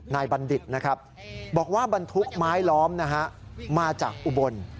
นายบันดิตบอกว่าบรรทุกไม้ล้อมมาจากอุบล